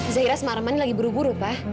zahira sama armani lagi buru buru pak